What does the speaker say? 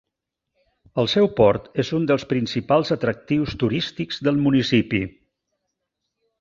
El seu port és un dels principals atractius turístics del municipi.